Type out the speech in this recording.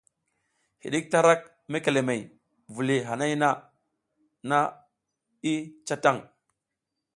Hiɗik tarak mekelemehey, viliy hanay na i ca tan.